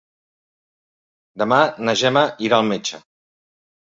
Demà na Gemma irà al metge.